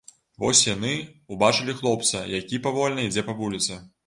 Вось яны ўбачылі хлопца, які павольна ідзе па вуліцы.